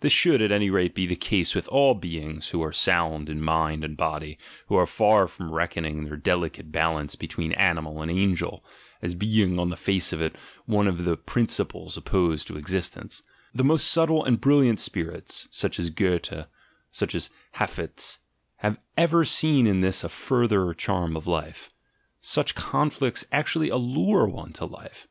This should, at any rate, be the case with all be ings who are sound in mind and body, who are far from reckoning their delicate balance between "animal" and "angel," as being on the face of it one of the principles op posed to existence — the most subtle and brilliant spirits, such as Goethe, such as Hafiz, have even seen in this a further charm of life. Such "conflicts" actually allure one to life.